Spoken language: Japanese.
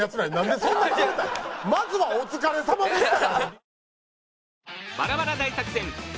まずはお疲れさまでした。